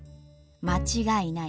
間違いない。